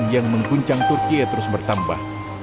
yang mengguncang turkiye terus bertambah